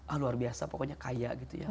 ah luar biasa pokoknya kaya gitu ya